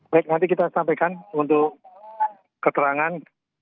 baik nanti kita sampaikan untuk keterangan